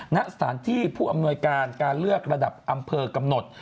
ณสถานที่ผู้อำนวยการการเลือกระดับอำเภอกำหนด